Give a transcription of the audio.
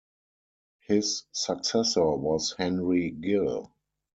His successor was Henry Gill.